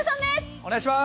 お願いします。